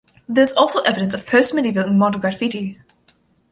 There is also evidence of post-medieval and modern graffiti.